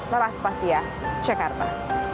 merah spasia jakarta